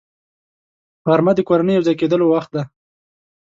غرمه د کورنۍ یو ځای کېدلو وخت دی